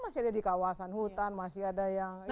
masih ada di kawasan hutan masih ada yang